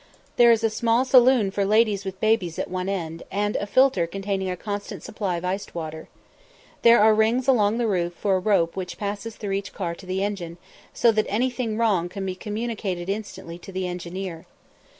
There is a small saloon for ladies with babies at one end, and a filter containing a constant supply of iced water. There are rings along the roof for a rope which passes through each car to the engine, so that anything wrong can be communicated instantly to the engineer.